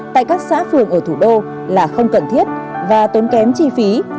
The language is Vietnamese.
tại các xã phường ở thủ đô là không cần thiết và tốn kém chi phí